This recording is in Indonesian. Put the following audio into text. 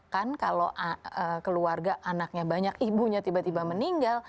kan kalau keluarga anaknya banyak ibunya tiba tiba meninggal